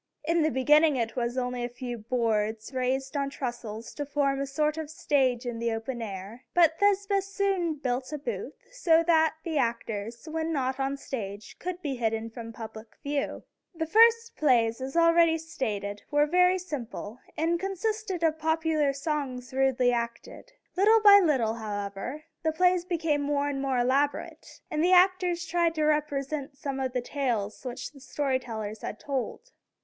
In the beginning it was only a few boards raised on trestles to form a sort of stage in the open air; but Thespis soon built a booth, so that the actors, when not on the stage, could be hidden from public view. The first plays, as already stated, were very simple, and consisted of popular songs rudely acted. Little by little, however, the plays became more and more elaborate, and the actors tried to represent some of the tales which the story tellers had told.